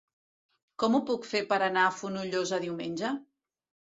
Com ho puc fer per anar a Fonollosa diumenge?